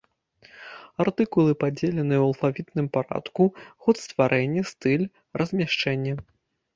Артыкулы падзеленыя ў алфавітным парадку, год стварэння, стыль, размяшчэнне.